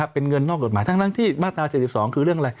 เป็นเงินนอกกฎหมายทั้งนั้นที่มาตรา๗๒คือเรื่องอะไร